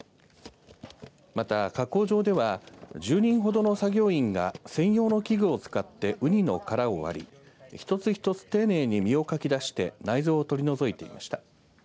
また、加工場では１０人程の作業員が専用の器具を使ってウニの殻を割り一つ一つ丁寧に身をかき出して内臓を取り除いていました。